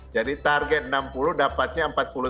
jadi target enam puluh dapatnya empat puluh tiga